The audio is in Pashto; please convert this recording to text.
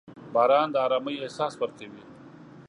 • باران د ارامۍ احساس ورکوي.